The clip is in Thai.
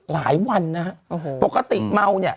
หลายวันนะปกติเมาเนี่ย